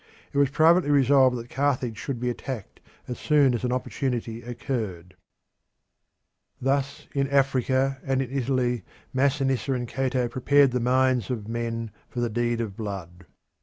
It was privately resolved that Carthage should be attacked as soon as an opportunity occurred. Thus in Africa and in Italy Masinissa and Cato prepared the minds of men for the deed of blood.